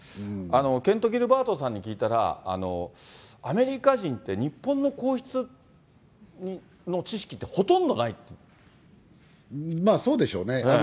ケント・ギルバートさんに聞いたら、アメリカ人って、日本のまあ、そうでしょうね。